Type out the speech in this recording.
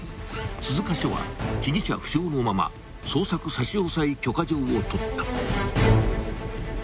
［鈴鹿署は被疑者不詳のまま捜索差押許可状を取った］